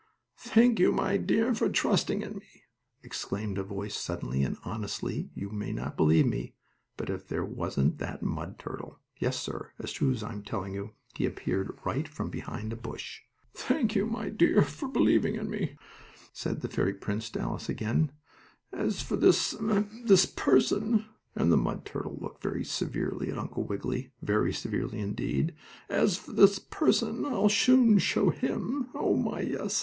"Thank you, my dear, for trusting in me!" exclaimed a voice suddenly, and honestly, you may not believe me, but if there wasn't that mud turtle! Yes, sir, as true as I'm telling you, he appeared right from behind a bush! "Thank you, my dear, for believing me," said the fairy prince to Alice again. "As for this ahem! this person!" and the mud turtle looked very severely at Uncle Wiggily, very severely indeed, "as for this person, I will soon show him! Oh, my, yes!